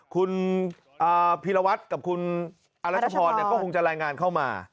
คุณพีรวัตรกับคุณอรัชพรก็คงจะรายงานเข้ามา